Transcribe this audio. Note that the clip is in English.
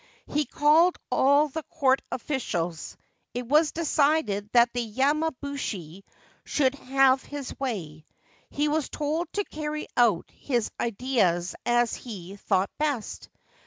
He called all the Court officials. It was decided that the yamabushi should have his way. He was told to carry out his ideas as he thought best.